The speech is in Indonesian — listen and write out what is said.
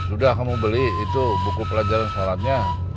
udah kamu beli itu buku pelajaran sholatnya